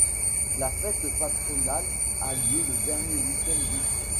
La fête patronale a lieu le dernier week-end d’août.